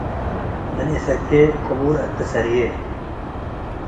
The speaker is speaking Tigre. ምን እሰኬ ቅቡር አቴ ሰርዬ፣